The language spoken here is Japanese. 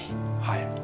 はい。